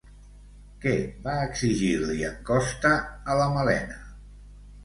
Què va exigir-li en Costa a la Malena?